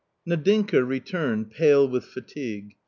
Nadinka returned pale with fatigue.